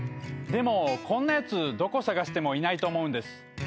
でもこんなやつどこ探してもいないと思うんです。